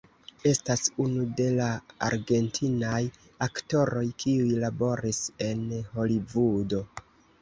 Estas unu de la argentinaj aktoroj kiuj laboris en Holivudo.